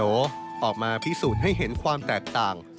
ออกมาพิสูจน์ให้เห็นความแตกต่าง